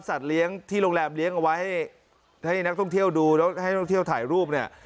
เลี้ยงที่โรงแรมเลี้ยงเอาไว้ให้นักท่องเที่ยวดูแล้วให้ท่องเที่ยวถ่ายรูปเนี่ย